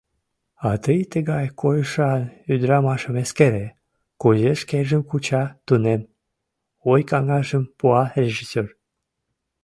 — А тый тыгай койышан ӱдырамашым эскере, кузе шкенжым куча, тунем, — ой-каҥашым пуа режиссёр.